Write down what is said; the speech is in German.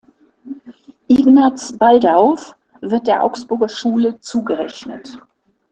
Ignaz Baldauf wird der Augsburger Schule zugerechnet.